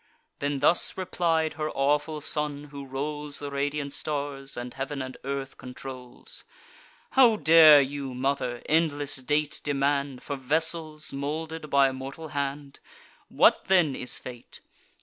Then thus replied her awful son, who rolls The radiant stars, and heav'n and earth controls: "How dare you, mother, endless date demand For vessels moulded by a mortal hand? What then is fate?